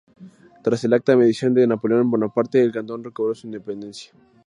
Tras el Acta de Mediación de Napoleón Bonaparte, el cantón recobró su independencia.